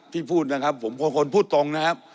พี่พูดนะครับผมคนพูดตรงนะครับ